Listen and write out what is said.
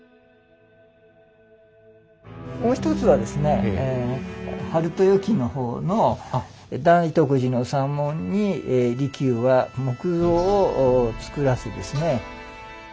もう一つはですね「晴豊記」の方の「大徳寺の三門に利休は木像をつくらせ」ですね。